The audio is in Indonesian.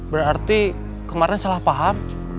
berarti kemarin salah paham